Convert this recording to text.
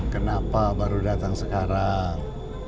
kenapa baru datang sekarang